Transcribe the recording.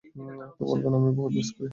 তো বলবেন, আমিও বহুত মিস করি।